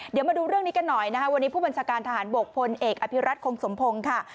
เดี๋ยวมาดูเรื่องนี้กันหน่อยนะคะวันนี้ผู้บัญชาการทหารบกพลเอกอภิรัตคงสมพงศ์ค่ะ